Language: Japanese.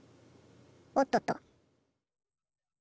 おっとっと！